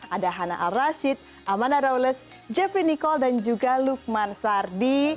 ada hana arrasyid amanda raules jeffrey nicole dan juga lufman sardi